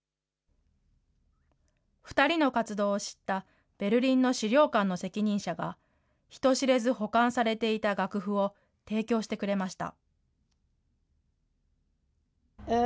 ２人の活動を知ったベルリンの資料館の責任者が、人知れず保管されていた楽譜を提供してくれました。